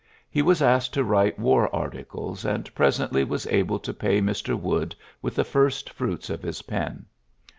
He was asked to writ^ war articles, and presently was able to pay Mr. Wood with the first fruits of his pen.